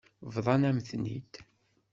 Bḍan-am-ten-id.